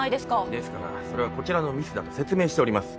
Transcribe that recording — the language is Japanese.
ですからそれはこちらのミスだと説明しております。